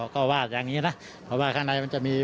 ก็วาดอย่างนี้นะเพราะว่าข้างในมันจะมี